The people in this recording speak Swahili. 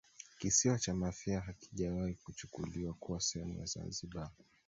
Kisiwa cha Mafia hakijawahi kuchukuliwa kuwa sehemu ya Zanzibar